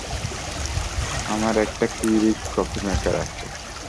আমার একটা Keurig coffee maker আছে।